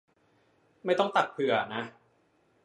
ไม่ต้องตักเผื่อนะ